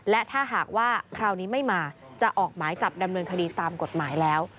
และถ้าหากว่าคราวนี้ไม่มาจะออกหมายจับดำเนินคดีตามกฎหมายแล้ว